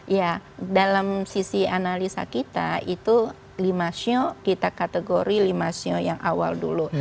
ya dalam sisi analisa kita itu lima sio kita kategori lima sio yang awal dulu